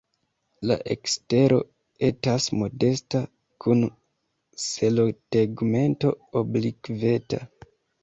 La ekstero etas modesta kun selotegmento oblikveta.